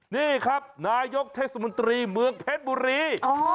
นี่ครับนายกเทศมนตรีเมืองเพชรบุรี